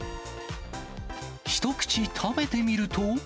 一口食べてみると。